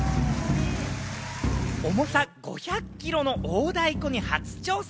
重さ５００キロの大太鼓に初挑戦！